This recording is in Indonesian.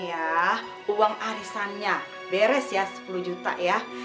ya uang arisannya beres ya sepuluh juta ya